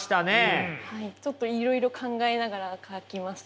ちょっといろいろ考えながら書きました。